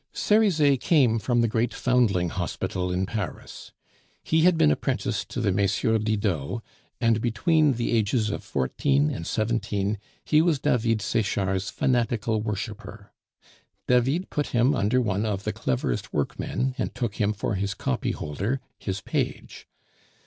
Cerizet came from the great Foundling Hospital in Paris. He had been apprenticed to the MM. Didot, and between the ages of fourteen and seventeen he was David Sechard's fanatical worshiper. David put him under one of the cleverest workmen, and took him for his copy holder, his page.